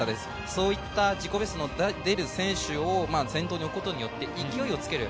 そういった自己ベストの出る選手を先頭に置くことによって勢いをつける。